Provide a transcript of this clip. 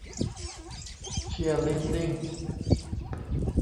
เชียร์ลีดดิ้ง